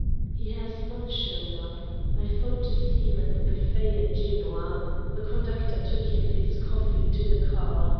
He has not shown up. I thought to see him at the buffet at Genoa. The conductor took him his coffee to the car.